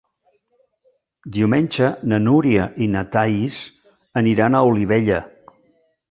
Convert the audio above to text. Diumenge na Núria i na Thaís aniran a Olivella.